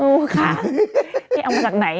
อื้อค่ะ